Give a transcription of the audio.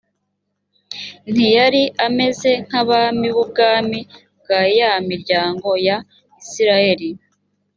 ntiyari ameze nk’abami b’ubwami bwa ya miryango ya isirayeli